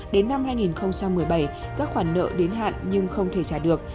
đến năm hai nghìn một mươi bảy các khoản nợ đến hạn nhưng không thể trả được